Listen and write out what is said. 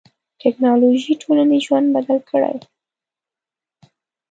ټکنالوژي ټولنیز ژوند بدل کړی.